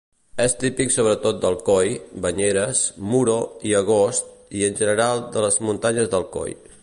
És típic sobretot d'Alcoi, Banyeres, Muro i Agost i en general de les muntanyes d'Alcoi.